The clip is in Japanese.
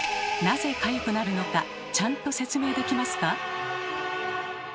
なぜかゆくなるのかちゃんと説明できますか？